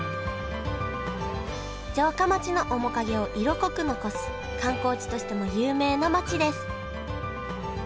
城下町の面影を色濃く残す観光地としても有名な町です